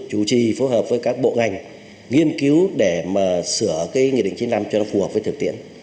chủ trì phối hợp với các bộ ngành nghiên cứu để mà sửa cái nghị định chín mươi năm cho nó phù hợp với thực tiễn